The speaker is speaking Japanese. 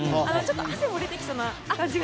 汗も出てきそうな感じが。